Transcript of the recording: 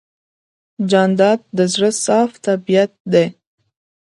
جانداد د زړه صاف طبیعت دی.